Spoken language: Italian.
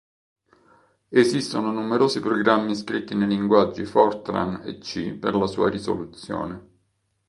Esistono numerosi programmi scritti nei linguaggi Fortran e C per la sua risoluzione.